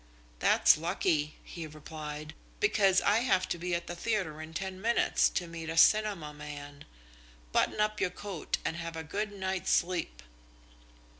"That's lucky," he replied, "because I have to be at the theatre in ten minutes to meet a cinema man. Button up your coat and have a good night's sleep."